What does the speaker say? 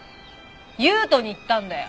悠斗に言ったんだよ。